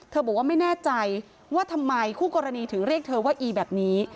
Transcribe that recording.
บอกว่าไม่แน่ใจว่าทำไมคู่กรณีถึงเรียกเธอว่าอีแบบนี้